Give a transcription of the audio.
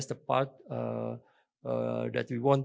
saya pikir itu bagian yang